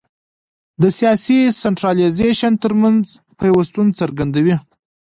د سیاسي سنټرالیزېشن ترمنځ پیوستون څرګندوي.